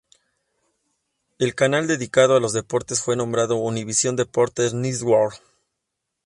El canal dedicado a los deportes fue nombrado Univisión Deportes Network.